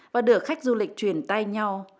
và đưa khách du lịch truyền tay nhau